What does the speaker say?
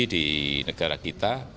di negara kita